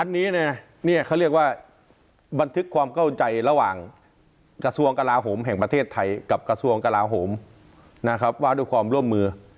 อันนี้เขาเรียกว่าบันทึกความเข้าใจระหว่างกระทรวงกลาโหมแห่งประเทศไทยกับกระทรวงกลาโหมนะครับว่าด้วยความร่วมมือ